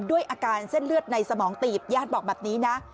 ด้วยอาการเส้นเลือดในสมองตีบญาติบอกแบบนี้นะ